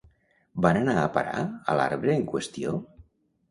Van anar a parar a l'arbre en qüestió?